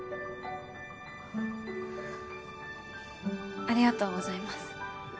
ありがとうございます。